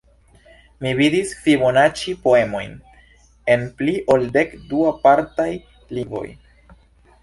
Mi vidis fibonaĉi-poemojn en pli ol dek du apartaj lingvoj.